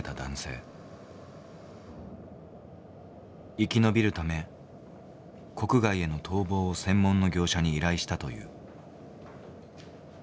生き延びるため国外への逃亡を専門の業者に依頼したという。